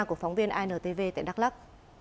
của phóng viên intv tại đắk lắk